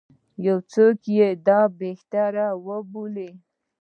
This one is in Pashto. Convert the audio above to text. یو څوک یې دا بهتر وبولي.